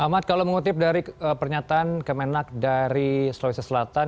ahmad kalau mengutip dari pernyataan kemenak dari sulawesi selatan